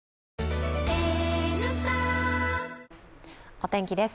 お天気です。